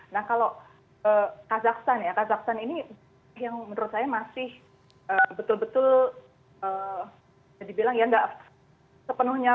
nah kalau kazakhstan ya kazakhstan ini yang menurut saya masih betul betul bisa dibilang ya nggak sepenuhnya